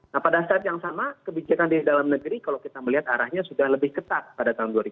nah pada saat yang sama kebijakan dari dalam negeri kalau kita melihat arahnya sudah lebih ketat pada tahun dua ribu dua